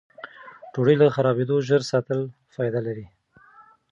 ډوډۍ له خرابېدو ژر ساتل فایده لري.